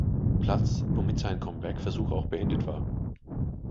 Platz, womit sein Comeback-Versuch auch beendet war.